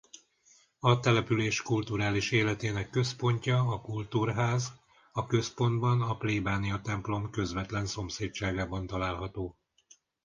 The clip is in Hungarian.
A település kulturális életének központja a kultúrház a központban a plébániatemplom közvetlen szomszédságában található.